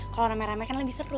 kalau rame rame kan lebih seru